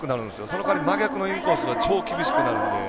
その代わり真逆のインコースがすごく厳しくなるので。